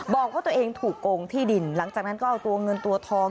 บอกว่าตัวเองถูกโกงที่ดินหลังจากนั้นก็เอาตัวเงินตัวทอง